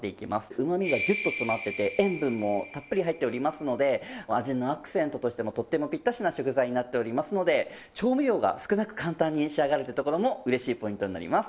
うまみがギュッと詰まってて塩分もたっぷり入っておりますので味のアクセントとしてもとってもピッタリな食材になっておりますので調味料が少なく簡単に仕上がるってところも嬉しいポイントになります。